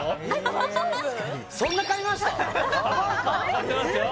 買ってますよ